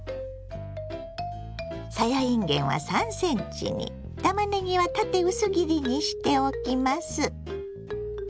さやいんげんは３ｃｍにたまねぎは縦薄切りにしておきます。